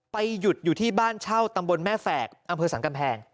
หยุดอยู่ที่บ้านเช่าตำบลแม่แฝกอำเภอสรรกำแพง